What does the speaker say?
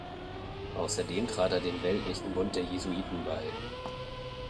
Außerdem trat er dem weltlichen Bund der Jesuiten, bei.